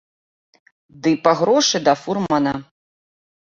Ды па грошы да фурмана.